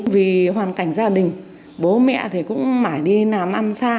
vì hoàn cảnh gia đình bố mẹ thì cũng mãi đi làm ăn xa